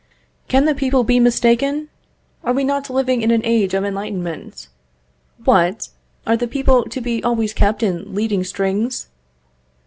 Can the people be mistaken? Are we not living in an age of enlightenment? What! are the people to be always kept in leading strings?